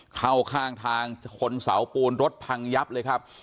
เข้าข้างทางชนเสาปูนรถพังยับเลยครับ